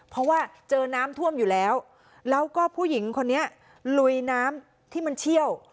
เพราะว่าเจอน้ำท่วมอยู่แล้วแล้วก็ผู้หญิงคนนี้ลุยน้ำที่มันเชี่ยว